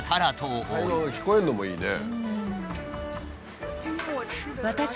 会話が聞こえるのもいいね。